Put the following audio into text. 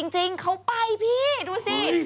จริงเขาไปพี่ดูสิ